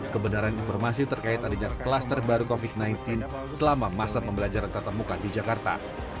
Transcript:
kebenaran informasi terkait adanya klaster baru covid sembilan belas selama masa pembelajaran tatap muka di jakarta